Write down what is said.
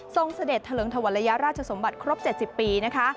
เสด็จเถลิงธวรรยาราชสมบัติครบ๗๐ปีนะคะ